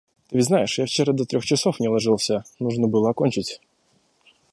Ты ведь знаешь, я вчера до трёх часов не ложился, нужно было окончить.